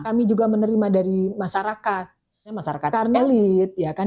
kami juga menerima dari masyarakat masyarakat elit